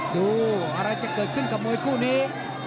ดูอะไรจะเกิดขึ้นกับมวยคู่นี้